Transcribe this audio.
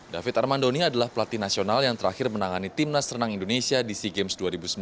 david armandoni adalah pelatih nasional yang terakhir menangani timnas renang indonesia di sea games dua ribu sembilan belas